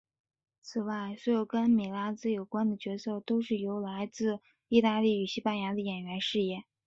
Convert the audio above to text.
此外所有跟米拉兹有关的角色都是由来自义大利与西班牙的演员饰演。